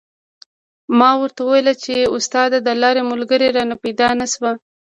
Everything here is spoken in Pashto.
ما ورته و ویل چې استاده د لارې ملګری رانه پیدا نه شو.